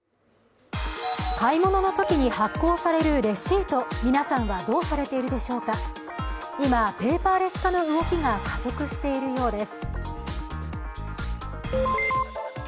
買い物のときに発行されるレシート、皆さんはどうされているでしょうか今、ペーパーレス化の動きが加速しているようです。